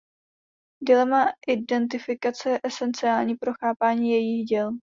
Dilema identifikace je esenciální pro chápání jejích děl.